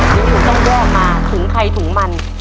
นี่หนูต้องยอกมาถึงไข่ถุงมัน